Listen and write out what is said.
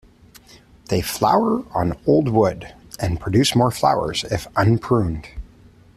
They flower on old wood, and produce more flowers if unpruned.